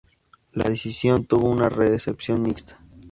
La decisión tuvo una recepción mixta.